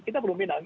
kita belum meminang